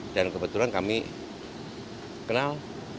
dan kebetulan kami kenal